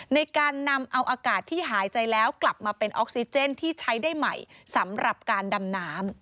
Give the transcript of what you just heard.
ในการนำเอาอากาศที่หายใจแล้วกลับมาเป็นออกซิเจนที่ใช้ได้ใหม่สำหรับการดำน้ำ